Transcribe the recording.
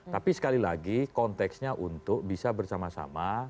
tapi sekali lagi konteksnya untuk bisa bersama sama